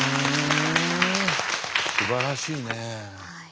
すばらしいね。